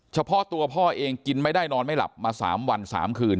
เฉพาะตัวพ่อเองกินไม่ได้นอนไม่หลับมา๓วัน๓คืน